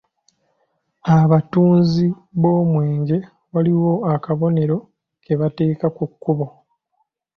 Abatunzi b’omwenge waliwo akabonero ke bateeka ku kkubo.